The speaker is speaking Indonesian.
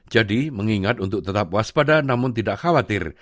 jadi mengingat untuk tetap waspada namun tidak khawatir